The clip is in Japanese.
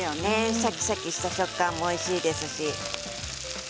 シャキシャキした食感もおいしいですしね。